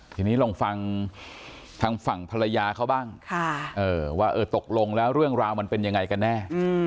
ทีนี้ลองฟังทางฝั่งภรรยาเขาบ้างว่าตกลงแล้วเรื่องราวมันเป็นยังไงกันแน่